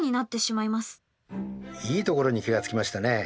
いいところに気が付きましたね。